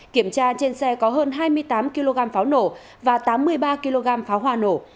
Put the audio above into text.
kiểm tra trên xe có hơn hai mươi tám kg pháo nổ và tám mươi ba kg pháo hoa nổ